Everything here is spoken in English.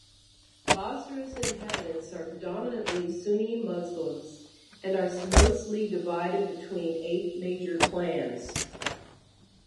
Bosra's inhabitants are predominantly Sunni Muslims and are mostly divided between eight major clans.